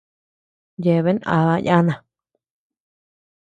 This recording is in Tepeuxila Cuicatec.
Yeabeanu aaba yana.